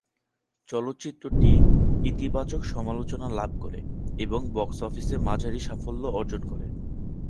চলচ্চিত্রটি ইতিবাচক সমালোচনা লাভ করে এবং বক্স অফিসে মাঝারি সাফল্য অর্জন করে।